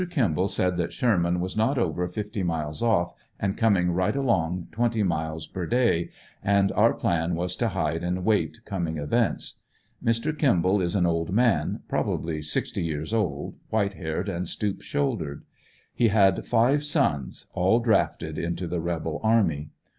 Kimball said that Sherman was not over fifty miles off, and coming right along twenty miles per day, and our plan was to hide and await coming events. Mr. Kimball is an old man, probably sixty years old, white haired and stoop vshouldered. He had five sons, all drafted into the rebel army.